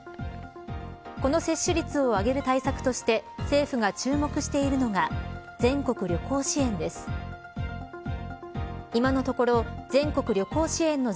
この接種率を上げる対策として政府が注目しているのが全国旅行支援です。